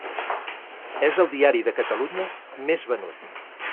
És el diari de Catalunya més venut.